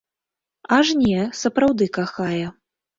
Аж не, сапраўды кахае.